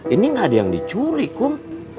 ini gak ada yang dicuri kum